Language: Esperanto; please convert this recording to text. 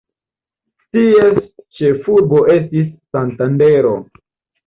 Ties ĉefurbo estis Santandero.